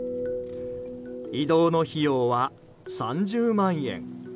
移動の費用は３０万円。